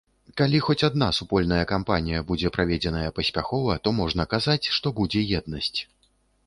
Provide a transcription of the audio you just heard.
Калі хоць адна супольная кампанія будзе праведзеная паспяхова, то можна казаць, што будзе еднасць.